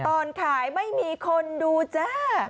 ตอนขายไม่มีคนดูจ้า